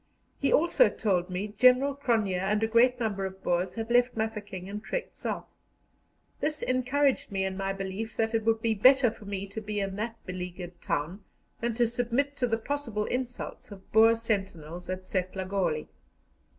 He also told me General Cronje and a great number of Boers had left Mafeking and trekked South. This encouraged me in my belief that it would be better for me to be in that beleaguered town than to submit to the possible insults of Boer sentinels at Setlagoli.